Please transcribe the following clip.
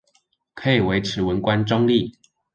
可以維持文官中立